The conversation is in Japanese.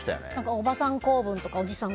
おばさん構文とかおじさん